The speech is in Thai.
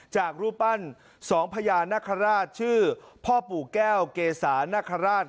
รูปปั้นสองพญานาคาราชชื่อพ่อปู่แก้วเกษานคราช